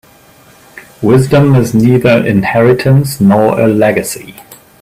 Wisdom is neither inheritance nor a legacy.